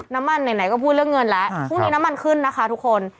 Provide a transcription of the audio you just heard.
น้ำมันไหนก็พูดเรื่องเงินแล้วพรุ่งนี้น้ำมันขึ้นนะคะทุกคน